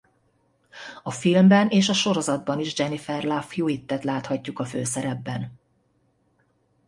A filmben és a sorozatban is Jennifer Love Hewitt-et láthatjuk a főszerepben.